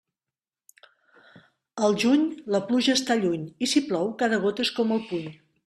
Al juny, la pluja està lluny, i si plou, cada gota és com el puny.